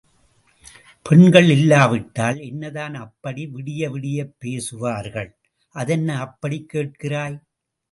பெண்கள் இல்லாவிட்டால் என்னதான் அப்படி விடிய விடியப் பேசுவார்கள்? அதென்ன அப்படிக் கேட்கிறாய்?